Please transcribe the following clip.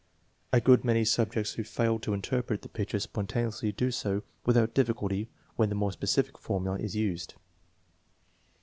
9 ' A good many subjects who failed to interpret the pictures spontaneously do so with out difficulty when the more specific formula is used.